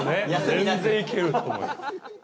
全然、いけると思います。